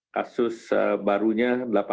kasus barunya delapan puluh dua